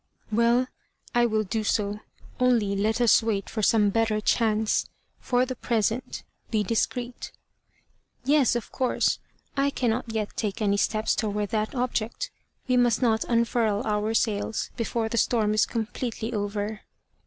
"Well, I will do so, only let us wait for some better chance. For the present be discreet." "Yes, of course. I cannot yet take any steps towards that object; we must not unfurl our sails before the storm is completely over."